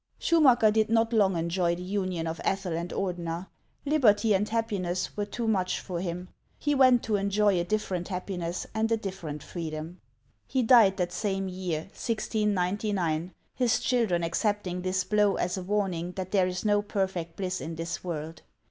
Schumacker did not long enjoy the union of Ethel and Ordener. Liberty and happiness were too much for him ; lie went to enjoy a different happiness and a different freedom. He died that same year, 1699, his children accepting this blow as a warning that there is no perfect bliss in this world.